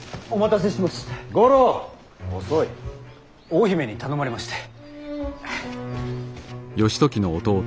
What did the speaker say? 大姫に頼まれまして。